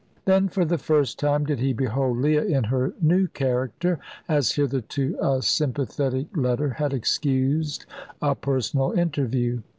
Then, for the first time, did he behold Leah in her new character, as hitherto a sympathetic letter had excused a personal interview.